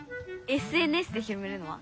ＳＮＳで広めるのは？